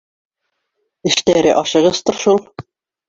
— Эштәре ашығыстыр шул.